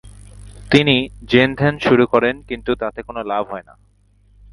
তিনি জেনধ্যান শুরু করেন কিন্তু তাতে কোনো লাভ হয়না।